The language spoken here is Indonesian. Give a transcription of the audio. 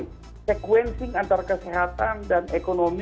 jadi sequencing antara kesehatan dan ekonomi